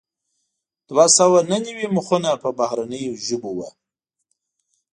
دوه سوه نهه نوي مخونه په بهرنیو ژبو وو.